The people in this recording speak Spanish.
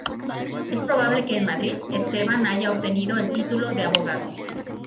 Es probable que en Madrid, Esteban haya obtenido el título de Abogado.